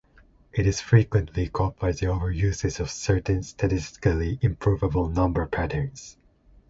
It is frequently caught by the over usage of certain statistically improbable number patterns.